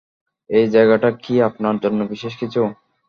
এই জায়গাটা কি আপনার জন্য বিশেষ কিছু?